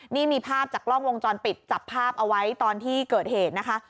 นี่มีภาพจากกล้องวงจรปิดจับภาพเอาไว้ตอนที่เกิดเหตุนะคะ